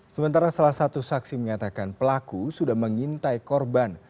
sementara salah satu saksi menyatakan pelaku sudah mengintai korban